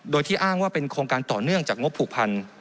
โดยที่อ้างว่าเป็นโครงการต่อเนื่องจากงบผูกพัน